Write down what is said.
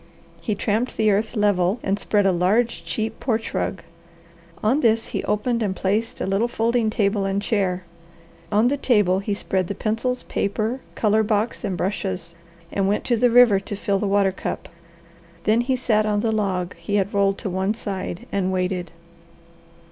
He tramped the earth level and spread a large cheap porch rug. On this he opened and placed a little folding table and chair. On the table he spread the pencils, paper, colour box and brushes, and went to the river to fill the water cup. Then he sat on the log he had rolled to one side and waited.